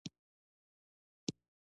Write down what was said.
"هر مېږي ته قصه وایم د بلقیس او سلیمان".